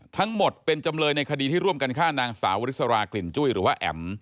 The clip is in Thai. ทั้งหมดเป็นจำเลยในคดีที่ร่วมกันฆ่านางสาวริสรากลิ่นจุ้ยหรือว่าแอ๋ม